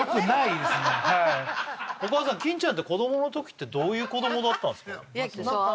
はいお母さん金ちゃんって子供のときってどういう子供だったんすか？